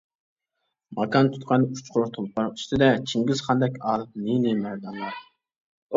ماكان تۇتقان ئۇچقۇر تۇلپار ئۈستىدە چىڭگىزخاندەك ئالىپ نى-نى مەردانلار.